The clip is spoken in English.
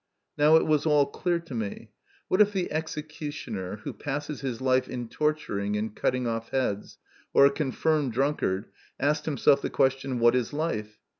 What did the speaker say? Now it was all clear to me. What if the executioner, who passes his life in torturing and cutting off heads, or a confirmed drunkard, asked himself the question, What is life